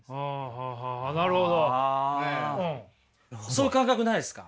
そういう感覚ないですか？